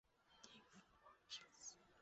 丁福保之子。